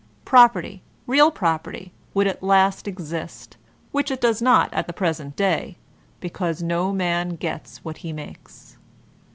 Property, real property, would at last exist, which it does not at the present day, because no man gets what he makes.